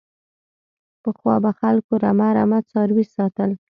پخوا به خلکو رمه رمه څاروي ساتل.